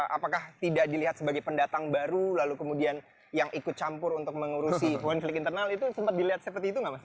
apakah tidak dilihat sebagai pendatang baru lalu kemudian yang ikut campur untuk mengurusi konflik internal itu sempat dilihat seperti itu nggak mas